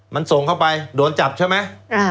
มันส่งเข้าไปโดนจับใช่ไหม